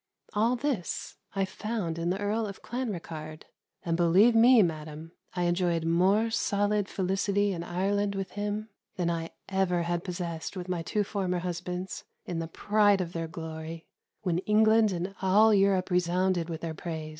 All this I found in the Earl of Clanricarde: and believe me, madam, I enjoyed more solid felicity in Ireland with him, than I ever had possessed with my two former husbands, in the pride of their glory, when England and all Europe resounded with their praise.